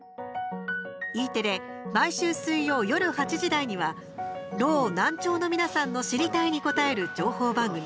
Ｅテレ、毎週水曜、夜８時台にはろう、難聴の皆さんの知りたいに答える情報番組「＃